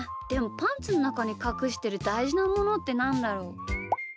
でもパンツのなかにかくしてるだいじなものってなんだろう？